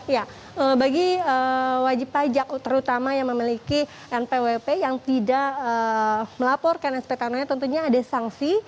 ya bagi wajib pajak terutama yang memiliki npwp yang tidak melaporkan spt tentunya ada sanksi